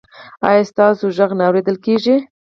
ایا ستاسو غږ نه اوریدل کیږي؟